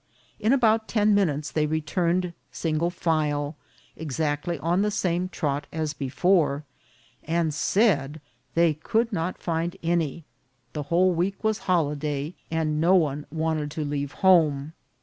In about ten minutes they re turned single file, exactly on the same trot as before, and said they could not find any ; the whole week was holyday, and no one wanted to leave home.